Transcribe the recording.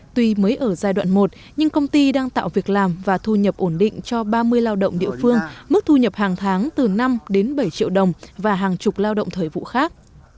tuy mới ở giai đoạn một nhưng công ty đang tạo việc làm và thu nhập ổn định cho ba mươi lao động địa phương mức thu nhập hàng tháng từ năm đến bảy triệu đồng và hàng chục lao động thời vụ khác